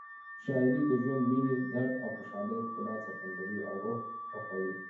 شاعري د ژوند، مینې، درد او خوشحالۍ ښکلا څرګندوي او روح خوښوي.